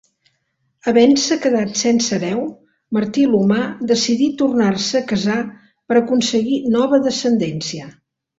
Havent-se quedat sense hereu, Martí l'Humà decidí tornar-se a casar per aconseguir nova descendència.